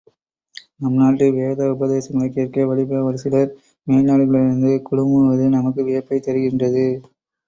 நம் நாட்டு வேத உபதேசங்களைக் கேட்க வழிபட ஒரு சிலர்மேல் நாடுகளில் இருந்து குழுமுவது நமக்கு வியப்பைத் தருகின்றது.